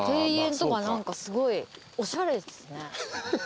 庭園とかすごいおしゃれですね。